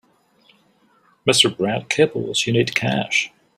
Mr. Brad cables you need cash.